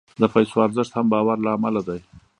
د پیسو ارزښت هم د باور له امله دی.